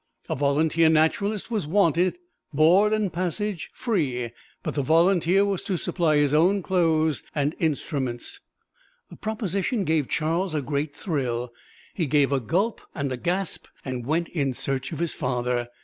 A volunteer naturalist was wanted board and passage free, but the volunteer was to supply his own clothes and instruments. The proposition gave Charles a great thrill: he gave a gulp and a gasp and went in search of his father.